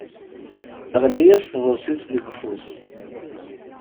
Teɣli-yas tḍebsit deg ufus.